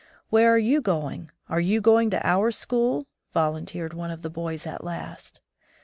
"Where are you going? Are you going to our school?" volunteered one of the boys at last.